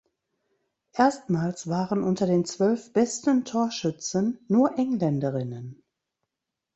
Erstmals waren unter den zwölf besten Torschützen nur Engländerinnen.